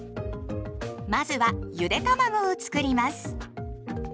まずはゆでたまごをつくります。